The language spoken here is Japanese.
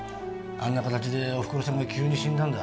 あんな形でお袋さんが急に死んだんだ